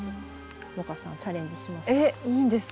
萌歌さんチャレンジします？